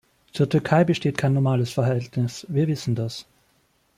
Zur Türkei besteht kein normales Verhältnis, wir wissen das.